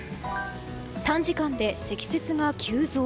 短時間で積雪が急増。